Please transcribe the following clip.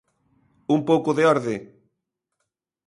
Un pouco de orde.